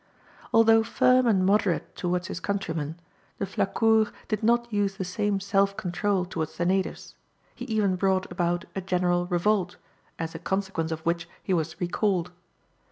Although firm and moderate towards his countrymen, De Flacourt did not use the same self control towards the natives; he even brought about a general revolt, as a consequence of which he was recalled.